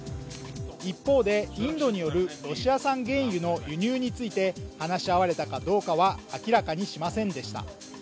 一方でインドによるロシア産原油の輸入について話し合われたかどうかは明らかにしませんでした。